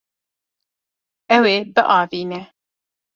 Ew ê biavîne.